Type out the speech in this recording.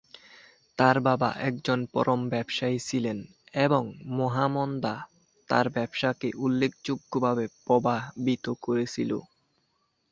তার বাবা একজন পশম ব্যবসায়ী ছিলেন এবং মহামন্দা তার ব্যবসাকে উল্লেখযোগ্যভাবে প্রভাবিত করেছিল।